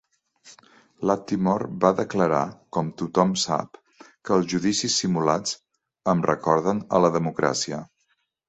Lattimore va declarar, com tothom sap, que els judicis simulats "em recorden a la democràcia".